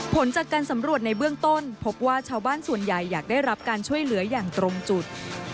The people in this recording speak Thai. ผลจากการสำรวจในเบื้องต้นพบว่าชาวบ้านส่วนใหญ่อยากได้รับการช่วยเหลืออย่างตรงจุด